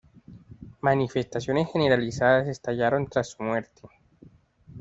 Manifestaciones generalizadas estallaron tras su muerte.